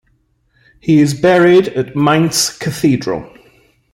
He is buried at Mainz Cathedral.